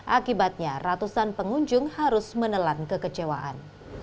akibatnya ratusan pengunjung harus menelan kekecewaan